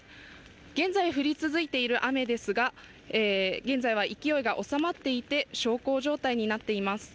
現在降り続いている雨ですが、現在は勢いが収まっていて小康状態になっています。